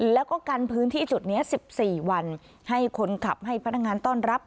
แล้วก็กันพื้นที่จุดนี้๑๔วันให้คนขับให้พนักงานต้อนรับ